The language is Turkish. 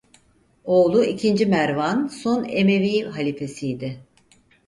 Oğlu ikinci Mervân son Emevi halifesiydi.